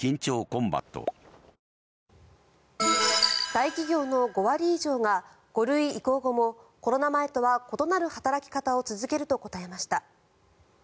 大企業の５割以上が５類移行後もコロナ前とは異なる働き方を続けると答えました。